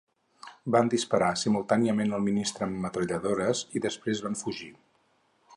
Van disparar simultàniament al ministre amb metralladores i després van fugir.